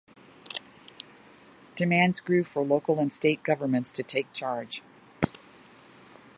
Demands grew for local and state government to take charge.